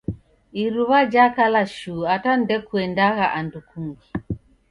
Iruw'a jakala shuu ata ndekuendagha andu kungi